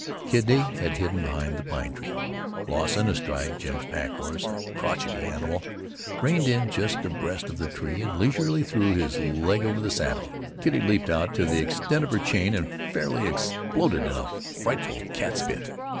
Kitty had hidden behind the pine tree. Lawson, astride Jones' pack horse, a crochety animal, reined in just abreast of the tree, and leisurely threw his leg over the saddle. Kitty leaped out to the extent of her chain, and fairly exploded in a frightful cat spit.